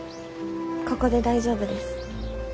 ここで大丈夫です。